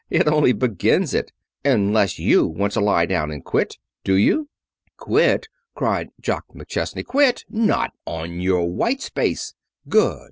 "It only begins it. Unless you want to lie down and quit. Do you?" "Quit!" cried Jock McChesney. "Quit! Not on your white space!" "Good!"